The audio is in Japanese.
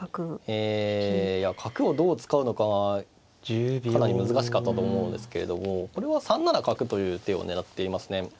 え角をどう使うのかがかなり難しかったと思うのですけれどもこれは３七角という手を狙っていますね。